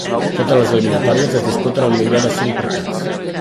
Totes les eliminatòries es disputen al millor de cinc partits.